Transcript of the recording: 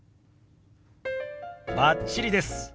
バッチリです。